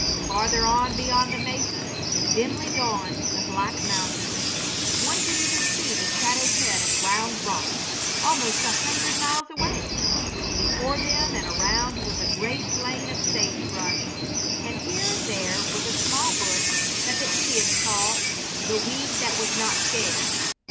Farther on beyond the mesas dimly dawned the Black Mountains. One could even see the shadowed head of "Round Rock," almost a hundred miles away. Before them and around was a great plain of sage brush, and here and there was a small bush that the Indians call "the weed that was not scared."